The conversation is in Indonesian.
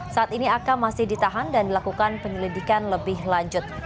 saat ini aka masih ditahan dan dilakukan penyelidikan lebih lanjut